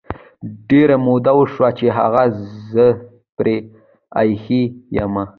ډیري مودې وشوی چې هغه زه پری ایښي یمه